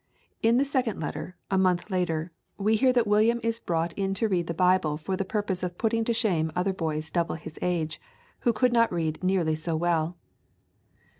In the second letter, a month later, we hear that William is brought in to read the Bible for the purpose of putting to shame other boys double his age who could not read nearly so well.